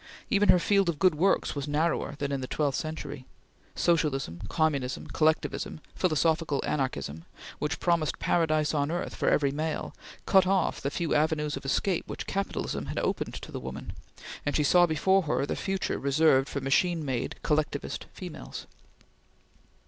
Even her field of good works was narrower than in the twelfth century. Socialism, communism, collectivism, philosophical anarchism, which promised paradise on earth for every male, cut off the few avenues of escape which capitalism had opened to the woman, and she saw before her only the future reserved for machine made, collectivist females.